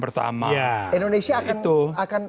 pertama indonesia akan